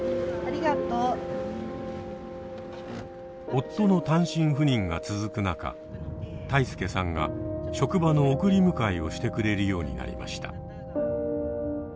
夫の単身赴任が続く中泰亮さんが職場の送り迎えをしてくれるようになりました。